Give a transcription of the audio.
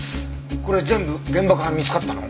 これ全部現場から見つかったの？